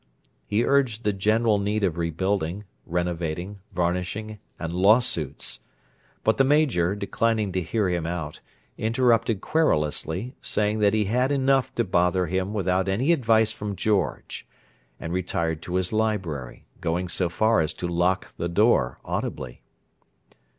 He urged the general need of rebuilding, renovating, varnishing, and lawsuits. But the Major, declining to hear him out, interrupted querulously, saying that he had enough to bother him without any advice from George; and retired to his library, going so far as to lock the door audibly.